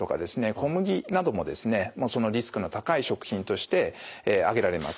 小麦などもですねそのリスクの高い食品として挙げられます。